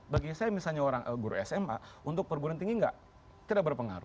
bagi saya misalnya orang guru sma untuk perguruan tinggi tidak berpengaruh